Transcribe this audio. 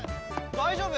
大丈夫？